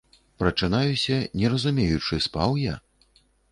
Прачынаюся, не разумеючы, спаў я?